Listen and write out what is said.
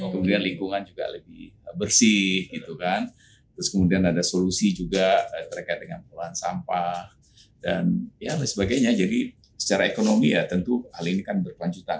kemudian lingkungan juga lebih bersih gitu kan terus kemudian ada solusi juga terkait dengan pengelolaan sampah dan ya sebagainya jadi secara ekonomi ya tentu hal ini kan berkelanjutan